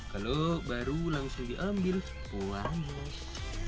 kalau baru langsung diambil wah panas